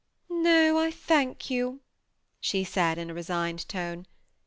" "No, I thank you," she said, in a resigned tone.